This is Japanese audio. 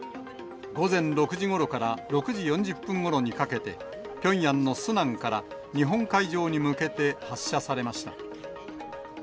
午前６時ごろから６時４０分ごろにかけて、ピョンヤンのスナンから日本海上に向けて発射されました。